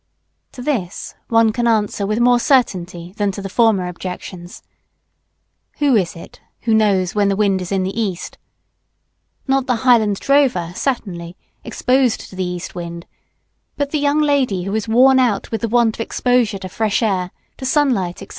To this one can answer with more certainty than to the former objections. Who is it who knows when the wind is in the east? Not the Highland drover, certainly, exposed to the east wind, but the young lady who is worn out with the want of exposure to fresh air, to sunlight, &c.